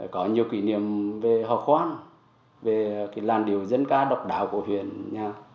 có nhiều kỷ niệm về hò khoan về cái làn điệu dân ca độc đạo của huyền nha